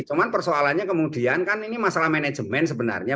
cuma persoalannya kemudian kan ini masalah manajemen sebenarnya